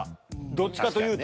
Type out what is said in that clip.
どっちかというと。